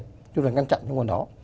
chúng ta phải ngăn chặn những nguồn đó